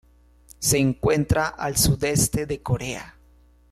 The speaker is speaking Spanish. Se encuentra al sudeste de Corea.